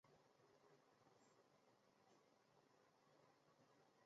台湾稠李为蔷薇科梅属下的一个种。